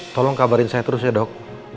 tolong kabarin saya terus ya dok